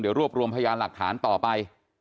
เดี๋ยวรวบรวมพยานหลักฐานต่อไป